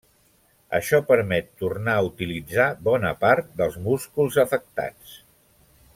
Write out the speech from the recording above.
Això permet tornar a utilitzar bona part dels músculs afectats.